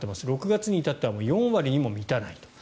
６月に至っては４割にも満たないと。